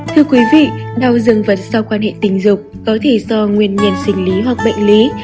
thưa quý vị đau dừng vật sau quan hệ tình dục có thể do nguyên nhân sinh lý hoặc bệnh lý